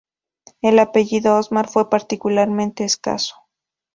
El apellido Osmar fue particularmente escaso.